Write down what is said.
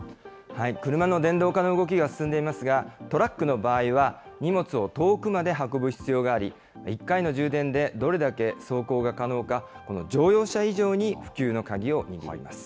車の電動化の動きが進んでいますが、トラックの場合は、荷物を遠くまで運ぶ必要があり、１回の充電でどれだけ走行が可能か、この乗用車以上に普及の鍵を握ります。